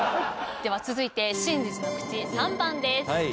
では続いて真実のクチ３番です。